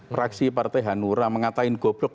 praksi partai hanura mengatakan goblok